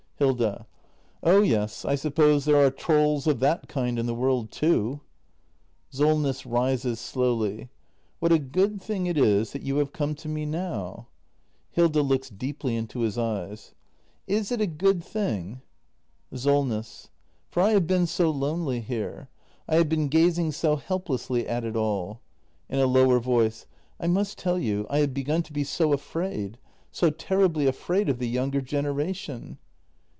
Hilda. Oh yes, I suppose there are trolls of that kind in the world, too. SOLNESS. [Rises slowly.] What a good thing it is that you have come to me now. Hilda. [Looks deeply into his eyes.] I s it a good thing! Solness. For I have been so lonely here. I have been gazing so helplessly at it all. [In a lower voice.] I must tell you — I have begun to be so afraid — so terribly afraid of the younger generation.